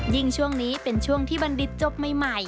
ช่วงนี้เป็นช่วงที่บัณฑิตจบใหม่